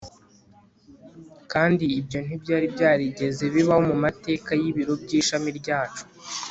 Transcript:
kandi ibyo ntibyari byarigeze bibaho mu mateka y ibiro by ishami ryacu